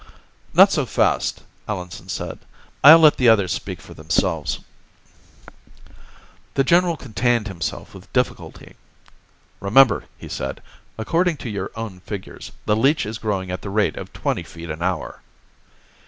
"Not so fast," Allenson said. "I'll let the others speak for themselves." The general contained himself with difficulty. "Remember," he said, "according to your own figures, the leech is growing at the rate of twenty feet an hour."